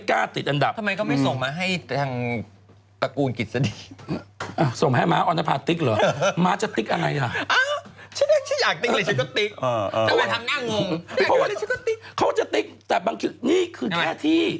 ใครเนี่ยจะยังมีโอกาสแตะต้องตลอดเวลา